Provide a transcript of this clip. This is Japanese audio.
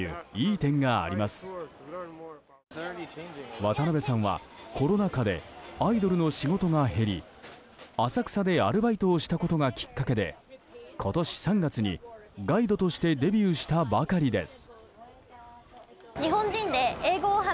渡邉さんはコロナ禍でアイドルの仕事が減り浅草でアルバイトしたことがきっかけで今年３月にガイドとしてデビューしたばかりです。